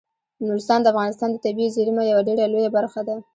نورستان د افغانستان د طبیعي زیرمو یوه ډیره لویه برخه ده.